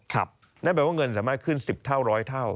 นั่นแปลว่าเงินสามารถขึ้น๑๐เท่า๑๐๐เท่า